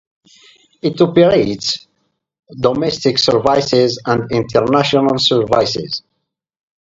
It operates domestic services and international services.